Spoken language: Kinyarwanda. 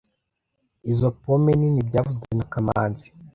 Izo pome nini byavuzwe na kamanzi